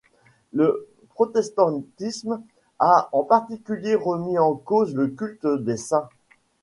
Le protestantisme a en particulier remis en cause le culte des saints.